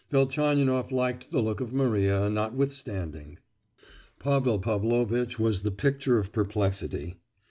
Velchaninoff liked the look of Maria, notwithstanding. Pavel Pavlovitch was the picture of perplexity.